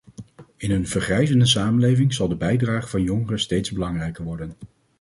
In een vergrijzende samenleving zal de bijdrage van jongeren steeds belangrijker worden.